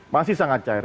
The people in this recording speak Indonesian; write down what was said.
masih sangat cair